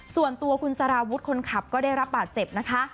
ส่วนตัวคุณสารวุฒิคนขับก็ได้รับบาดเจ็บนะคะ